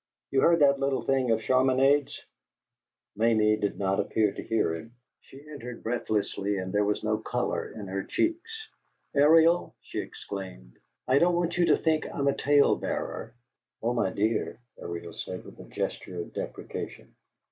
You heard that little thing of Chaminade's " Mamie did not appear to hear him; she entered breathlessly, and there was no color in her cheeks. "Ariel," she exclaimed, "I don't want you to think I'm a tale bearer " "Oh, my dear!" Ariel said, with a gesture of deprecation.